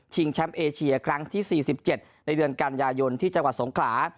แชมป์เอเชียครั้งที่๔๗ในเดือนกันยายนที่จังหวัดสงขลา